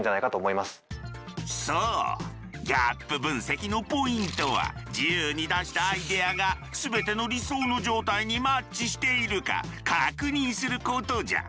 そうギャップ分析のポイントは自由に出したアイデアが全ての理想の状態にマッチしているか確認することじゃ！